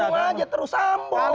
sambung aja terus sambung